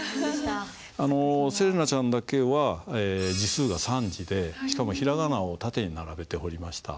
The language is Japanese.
せれなちゃんだけは字数が３字でしかも平仮名を縦に並べて彫りました。